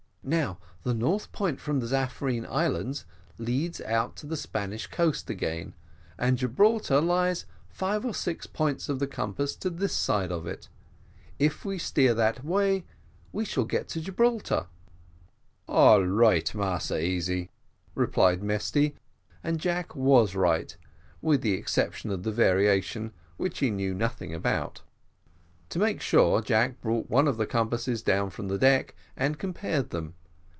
Now the north point from the Zaffarine Islands leads out to the Spanish coast again, and Gibraltar lies five or six points of the compass to this side of it if we steer that way we shall get to Gibraltar." "All right, Massa Easy," replied Mesty; and Jack was right, with the exception of the variation, which he knew nothing about. To make sure, Jack brought one of the compasses down from deck, and compared them.